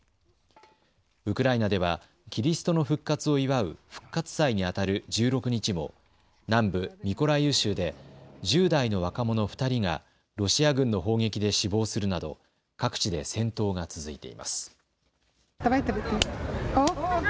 ウクライナではキリストの復活を祝う復活祭にあたる１６日も南部ミコライウ州で１０代の若者２人がロシア軍の砲撃で死亡するなど各地で戦闘が続いています。